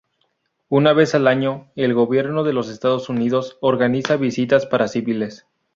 Una vez al año, el gobierno de los Estados Unidos organiza visitas para civiles.